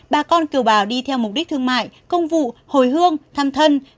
bà con kiều bào đi theo mục đích thương mại công vụ hồi hương thăm thân